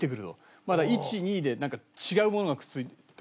まだ１２でなんか違うものがくっついて。